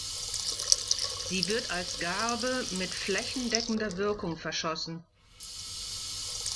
Sie wird als Garbe mit flächendeckender Wirkung verschossen.